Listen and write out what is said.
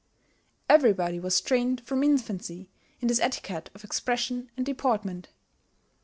Everybody was trained from infancy in this etiquette of expression and deportment.